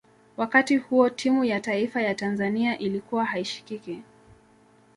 wakati huo timu ya taifa ya tanzania ilikuwa haishikiki